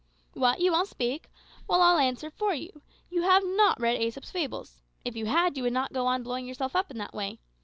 "What, you won't speak! Well, I'll answer for you: you have not read `Aesop's Fables;' if you had you would not go on blowing yourself up in that way.